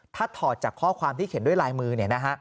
ถ้าถอดจากข้อความที่เขียนด้วยลายมือ